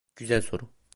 Güzel soru.